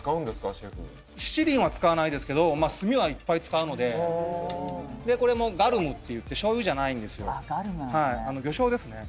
シェフ七輪は使わないですけど炭はいっぱい使うのでこれもガルムっていって醤油じゃないんですよ魚醤ですね